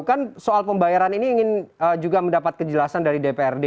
kan soal pembayaran ini ingin juga mendapat kejelasan dari dprd